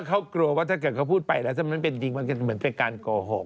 เขากลัวถ้าเขาพูดไปแล้วสมมติเป็นจริงมันเป็นการโกหก